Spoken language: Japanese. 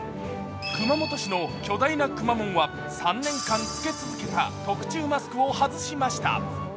熊本市の巨大なくまモンは３年間着け続けた特注マスクを外しました。